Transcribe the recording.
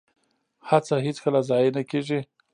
هڅه هیڅکله ضایع نه کیږي